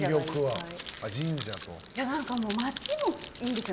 街もいいんですよ。